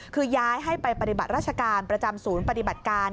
คือย้ายให้ไปปฏิบัติราชการประจำศูนย์ปฏิบัติการ